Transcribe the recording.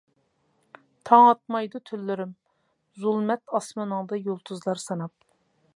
تاڭ ئاتمايدۇ تۈنلىرىم زۇلمەت ئاسمىنىڭدا يۇلتۇزلار ساناپ.